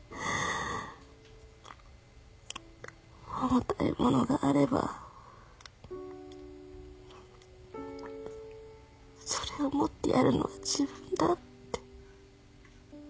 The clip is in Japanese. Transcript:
重たい物があればそれを持ってやるのが自分だって。